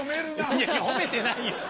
いやいや褒めてないよ。